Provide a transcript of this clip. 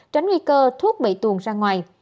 tránh nguy cơ thuốc bị tuồn ra ngoài